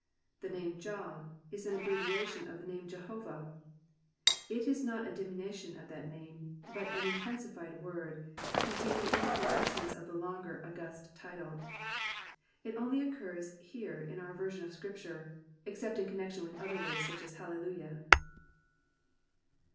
The name jah is an abbreviation of the name Jehovah ; it is not a diminution of that name, but an intensified word, containing in it the essence of tlie longer, august title. It only occurs here in our version of Scripture, except in connection with other words such as HallelujoA.